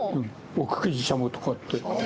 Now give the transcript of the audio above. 奥久慈しゃもとかって。